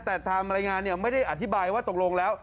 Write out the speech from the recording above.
แต่ทางรายงานไม่ได้อธิบายว่าตกลงแล้ว